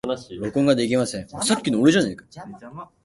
録音ができません。